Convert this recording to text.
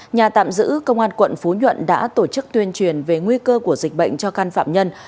nhà tạm giữ công an quận phú nhuận đã tổ chức tuyên truyền về nguy cơ của dịch bệnh cho căn phạm nhân